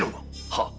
はっ。